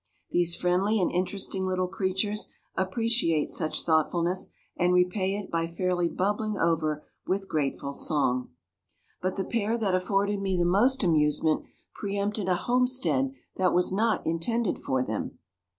These friendly and interesting little creatures appreciate such thoughtfulness, and repay it by fairly bubbling over with grateful song. But the pair that afforded me the most amusement pre empted a homestead that was not intended for them.